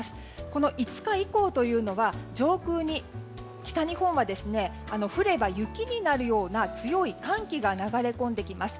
この５日以降というのは北日本は上空に降れば雪になるような強い寒気が流れ込んできます。